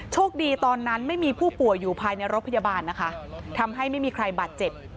ตอนนั้นไม่มีผู้ป่วยอยู่ภายในรถพยาบาลนะคะทำให้ไม่มีใครบาดเจ็บ